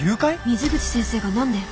水口先生が何で？